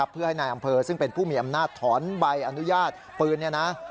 เพื่อให้นายอำเภอซึ่งเป็นผู้มีอำนาจถอนใบอนุญาตปืนเนี่ยนะ